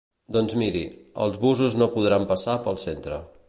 Doncs miri, els busos no podran passar pel centre.